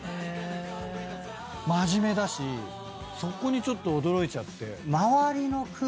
真面目だしそこにちょっと驚いちゃって。